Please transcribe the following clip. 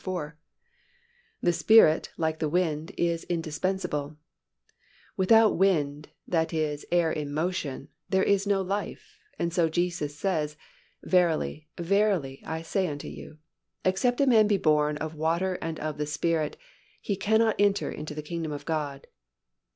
(4) The Spirit, like the wind, is indispensable. Without wind, that is "air in motion," there is no life and so Jesus says, "Verily, verily, I say unto you, except a man be born of water and of the Spirit, he cannot enter into the kingdom of God."